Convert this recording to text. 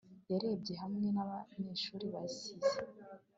yarebye hamwe n'abanyeshuri basize